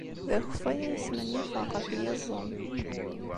D akeffay ay smenyafeɣ ɣef yiẓem.